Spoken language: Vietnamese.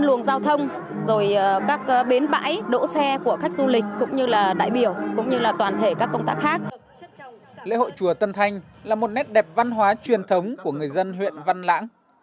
lễ hội chùa tân thanh là một nét đẹp văn hóa truyền thống của người dân huyện văn lãng